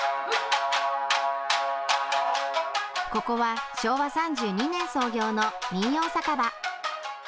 ここは昭和３２年創業の民謡酒場。